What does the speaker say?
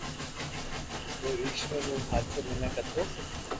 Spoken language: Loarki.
جو اآݾور رو ھاچو مينک ھتو